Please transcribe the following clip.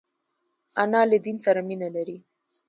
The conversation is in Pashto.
انا له دین سره مینه لري